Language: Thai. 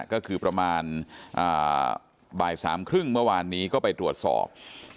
ก็คือประมาณบ่ายสามครึ่งเมื่อวานนี้ก็ไปตรวจสอบ